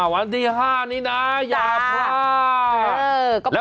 วันที่๕นี้นะอย่าพลาด